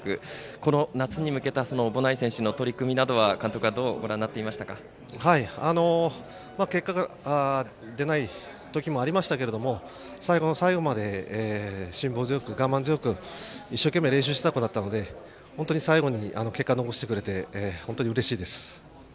この夏に向けた小保内選手の取り組みなどは監督はどうご覧になっていましたか。結果が出ない時もありましたが最後の最後まで辛抱強く我慢強く一生懸命練習した子だったので本当に最後に結果を残してくれてうれしいです。